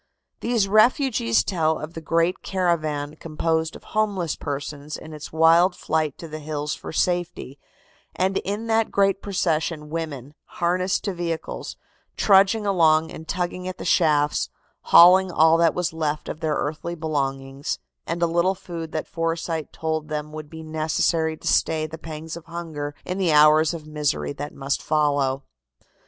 These refugees tell of the great caravan composed of homeless persons in its wild flight to the hills for safety, and in that great procession women, harnessed to vehicles, trudging along and tugging at the shafts, hauling all that was left of their earthly belongings, and a little food that foresight told them would be necessary to stay the pangs of hunger in the hours of misery that must follow.